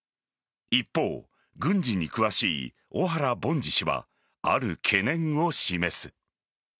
一方、軍事に詳しい小原凡司氏はある懸念を示す。